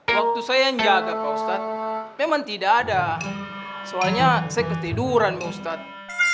waktu saya yang jaga pak ustadz memang tidak ada soalnya saya ketiduran ustadz